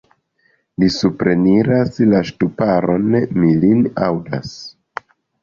Li supreniras la ŝtuparon: mi lin aŭdas.